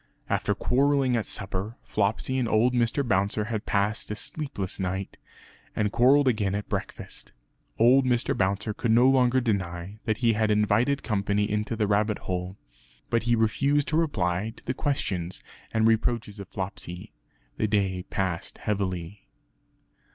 After quarrelling at supper, Flopsy and old Mr. Bouncer had passed a sleepless night, and quarrelled again at breakfast. Old Mr. Bouncer could no longer deny that he had invited company into the rabbit hole; but he refused to reply to the questions and reproaches of Flopsy. The day passed heavily.